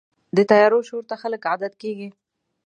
د طیارو شور ته خلک عادت کېږي.